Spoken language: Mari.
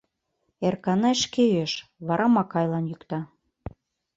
Эрканай шке йӱэш, вара Макайлан йӱкта.